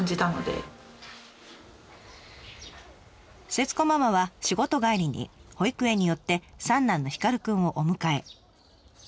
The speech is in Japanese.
節子ママは仕事帰りに保育園に寄って三男のヒカルくんをお迎え。